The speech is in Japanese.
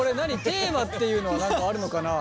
テーマっていうのは何かあるのかな？